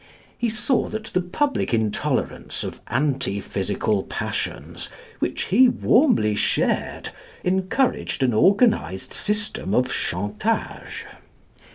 He saw that the public intolerance of "antiphysical passions," which he warmly shared, encouraged an organised system of chantage.